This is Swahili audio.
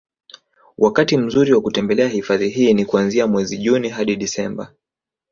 wakati mzuri wa kutembelea hifadhi hii ni kuanzia mwezi June hadi Desemba